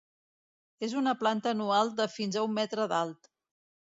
És una planta anual de fins a un metre d'alt.